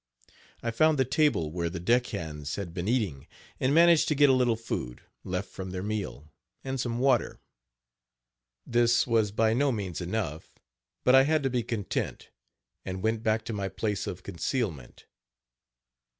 I found the table where the deck hands had been eating, and managed to get a little food, left from their meal, and some water. This was by no means enough, but I had to be content, and went back to my place of concealment.